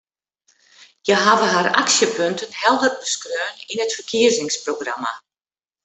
Hja hawwe har aksjepunten helder beskreaun yn it ferkiezingsprogramma.